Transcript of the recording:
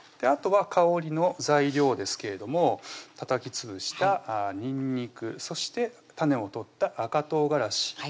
あとは香りの材料ですけれどもたたきつぶしたにんにくそして種を取った赤唐辛子